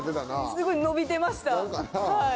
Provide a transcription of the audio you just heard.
すごい伸びてました。